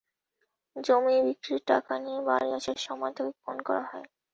জমি বিক্রির টাকা নিয়ে বাড়ি আসার সময় তাঁকে খুন করা হয়।